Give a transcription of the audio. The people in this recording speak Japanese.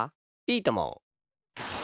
いいとも！